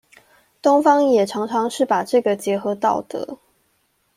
東方也常常是把這個結合道德